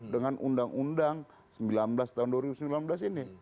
dengan undang undang sembilan belas tahun dua ribu sembilan belas ini